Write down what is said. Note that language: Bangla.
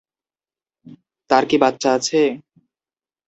তার কি বাচ্চা আছে?